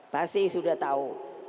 pasti sudah tahu